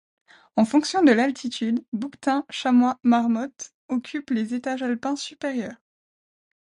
En fonction de l'altitude, bouquetins, chamois, marmottes occupent les étages alpins supérieurs.